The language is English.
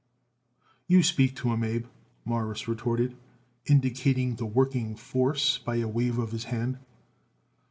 "You speak to 'em, Abe," Morris retorted, indicating the working force by a wave of his hand.